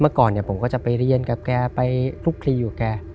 เมื่อก่อนผมก็จะไปเรียนกับแกไปรุกคลีกับแก